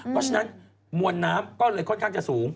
เพราะฉะนั้นมวลน้ำก็เลยค่อนข้างจะสูง